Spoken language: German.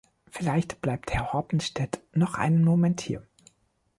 Vielleicht bleibt Herr Hoppenstedt noch einen Moment hier.